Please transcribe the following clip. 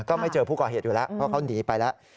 ก็ไม่เจอผู้ก่อเหตุอยู่แล้วเพราะเขาหนีไปแล้ว